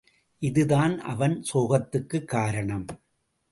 இது தான் அவன் சோகத்துக்குக் காரணம்.